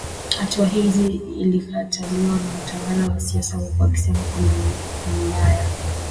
Hatua hii ilikataliwa na utawala wa sasa huku wakisema kwamba ni mbaya